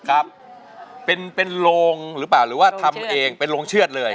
ครับเป็นเป็นโรงหรือเปล่าหรือว่าทำเองเป็นโรงเชือดเลย